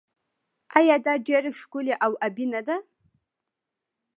آیا دا ډیره ښکلې او ابي نه ده؟